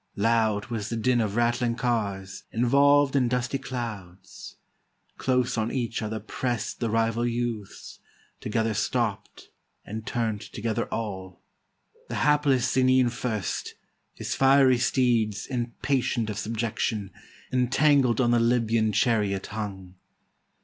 Loud was the din of rattHng cars, involved In dusty clouds; close on each other press'd The rival youths, together stopp'd, and turn'd Together all. The hapless .^nian first. His fiery steeds, impatient of subjection, Entangled on the Libyan chariot hung.